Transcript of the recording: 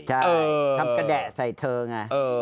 ใช่ทำกระแดะใส่เธอไง